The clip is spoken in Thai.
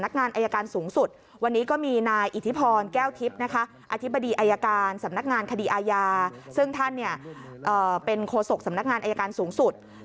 รายละเอียดเนี่ยทางคณะโฆษกสำนักงานอายการสูงสุด